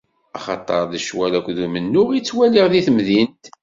Axaṭer d ccwal akked umennuɣ i ttwaliɣ di temdint.